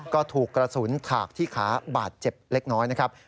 ก็ถูกกระสุนถากที่ขาบาดเจ็บเล็กน้อยนะครับ